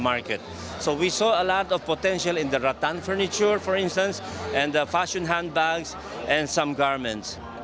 jadi kita melihat banyak potensi di peralatan rattan bagian handbag fasiun dan beberapa pakaian